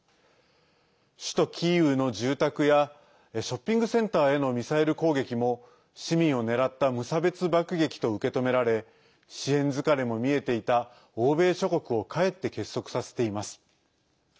首都キーウの住宅やショッピングセンターへのミサイル攻撃も市民を狙った無差別爆撃と受け止められ支援疲れも見えていた欧米諸国をかえって結束させています。